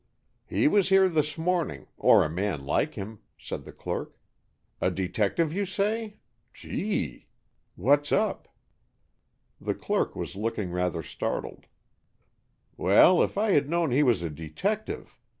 "He was here this morning, or a man like him," said the clerk. "A detective, you say. Gee!" "What's up?" The clerk was looking rather startled. "Well, if I had known he was a detective!